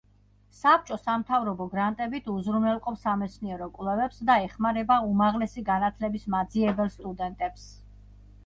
საბჭო სამთავრობო გრანტებით უზრუნველყოფს სამეცნიერო კვლევებს და ეხმარება უმაღლესი განათლების მაძიებელ სტუდენტებს.